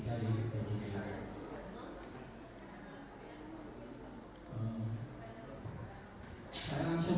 saya akan menyanyi